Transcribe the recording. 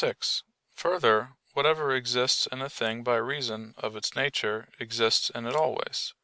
6: Further, whatever exists in a thing by reason of its nature exists in it always.